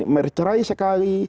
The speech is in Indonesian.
orang mercerai sekali